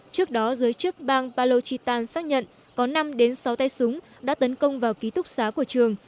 trước đó giới chức bang pallochitan xác nhận có năm sáu tay súng đã tấn công vào ký túc xá của trường